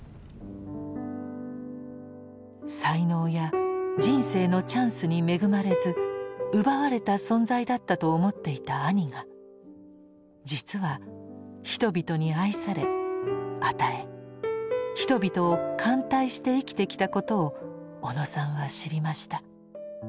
才能や人生のチャンスに恵まれず「奪われた」存在だったと思っていた兄が実は人々に愛され与え人々を歓待して生きてきたことを小野さんは知りました。